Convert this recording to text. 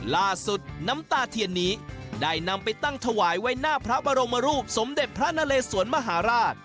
น้ำตาเทียนนี้ได้นำไปตั้งถวายไว้หน้าพระบรมรูปสมเด็จพระนเลสวนมหาราช